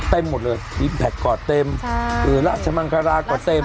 เต็มหมดเลยอิมแพคก็เต็มราชมังคราก่อเต็ม